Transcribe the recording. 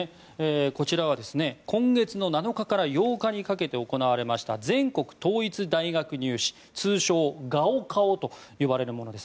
こちらは今月７日から８日かけて行われました全国統一大学入試通称・ガオカオと呼ばれるものです。